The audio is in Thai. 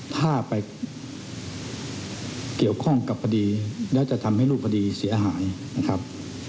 ถ้าไปเกี่ยวข้องกับคดีแล้วจะทำให้รูปคดีเสียหายนะครับ